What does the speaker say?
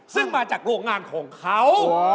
ซึ่งมาจากโรงงานของเขา